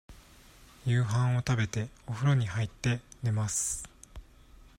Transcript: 夕飯を食べて、おふろに入って、寝ます。